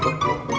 gak ada apa apa